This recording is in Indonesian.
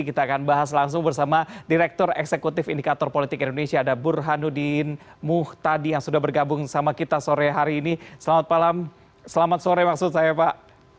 kita akan bahas langsung bersama direktur eksekutif indikator politik indonesia ada burhanuddin muhtadi yang sudah bergabung sama kita sore hari ini selamat malam selamat sore maksud saya pak